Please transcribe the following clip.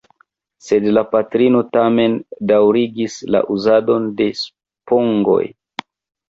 Sed la patrino tamen daŭrigis la uzadon de spongoj.